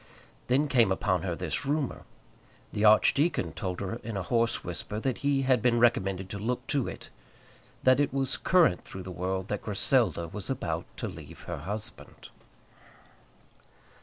Then came upon her this rumour. The archdeacon told her in a hoarse whisper that he had been recommended to look to it, that it was current through the world that Griselda was about to leave her husband.